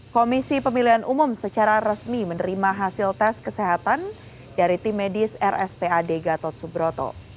komisi pemilihan umum secara resmi menerima hasil tes kesehatan dari tim medis rspad gatot subroto